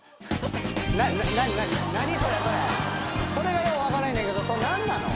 それがよう分からへんねんけど何なの？